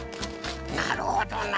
なるほどな。